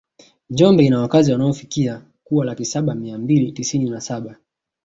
Njombe ina wakazi wanaofikia kuwa laki saba mia mbili tisini na saba